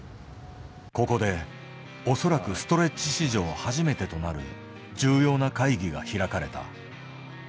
ここで、恐らくストレッチ史上初めてとなる重要な会議が開かれた。